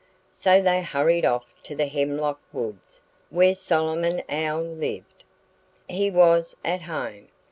So they hurried off to the hemlock woods where Solomon Owl lived. He was at home.